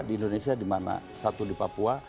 di indonesia dimana satu di papua